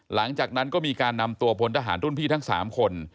หลังจากนั้นก็มีการนำตัวพลทหารรุ่นพี่ทั้ง๓คน